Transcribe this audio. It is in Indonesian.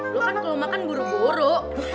lo kan kalo makan buru buru